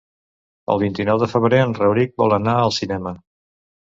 El vint-i-nou de febrer en Rauric vol anar al cinema.